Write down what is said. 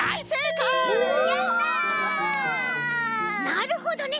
なるほどね。